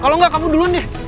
kalau enggak kamu duluan deh